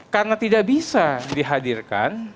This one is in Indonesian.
karena tidak bisa dihadirkan